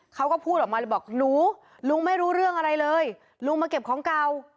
เขาก็พูดออกมาเลยบอกหนูลุงไม่รู้เรื่องอะไรเลยลุงมาเก็บของเก่า